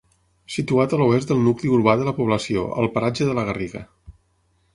Situat a l'oest del nucli urbà de la població, al paratge de la Garriga.